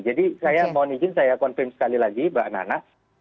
jadi saya mau izin saya confirm sekali lagi mbak nana